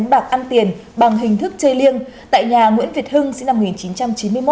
bạc ăn tiền bằng hình thức chơi liêng tại nhà nguyễn việt hưng sinh năm một nghìn chín trăm chín mươi một